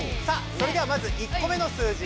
それではまず１こ目の数字